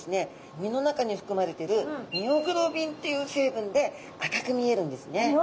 身の中に含まれてるミオグロビンっていう成分で赤く見えるんですね。